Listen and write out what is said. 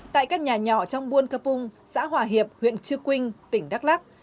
tại các nhà nhỏ trong buôn cấp ung xã hòa hiệp huyện chư quynh tỉnh đắk lắc